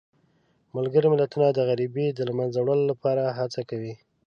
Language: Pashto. ملګري ملتونه د غریبۍ د له منځه وړلو لپاره هڅه کوي.